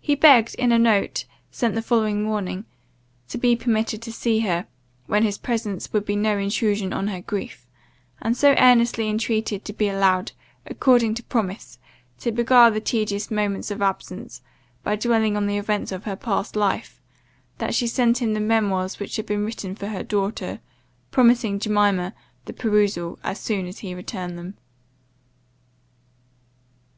He begged, in a note sent the following morning, to be permitted to see her, when his presence would be no intrusion on her grief, and so earnestly intreated to be allowed, according to promise, to beguile the tedious moments of absence, by dwelling on the events of her past life, that she sent him the memoirs which had been written for her daughter, promising Jemima the perusal as soon as he returned them.